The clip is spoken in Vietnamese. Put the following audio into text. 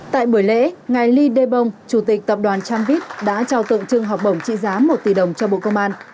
tại buổi lễ ngài li de bông chủ tịch tập đoàn tramvit đã trao tượng trưng học bổng trị giá một tỷ đồng cho bộ công an